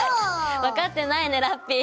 分かってないねラッピィ。